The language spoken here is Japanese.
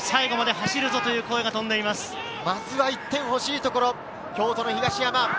まずは１点欲しいところ、京都の東山。